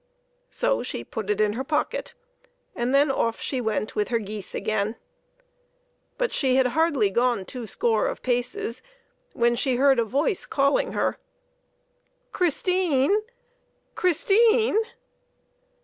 So she put it in her pocket, and then off she went with her geese again. But she had hardly gone two score of paces when she heard a voice calling her, "Christine! Christine